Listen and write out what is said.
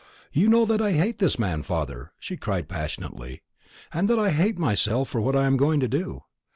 "You know that I hate this man, father!" she cried passionately; "and that I hate myself for what I am going to do.